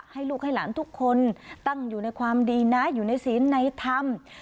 ให้ลูกให้หลานทุกคนตั้งอยู่ในความดีนะอยู่ในศีลในธรรม